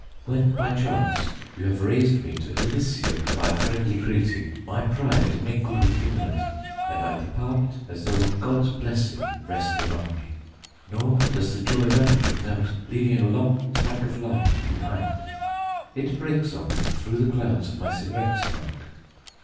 When by chance you have raised me to elysium by a friendly greeting, my pride is mingled with humility, and I depart as though God's blessing rested on me. Nor does the joy vanish without leaving a long track of light behind. It breaks on me through the clouds of my cigarette smoke.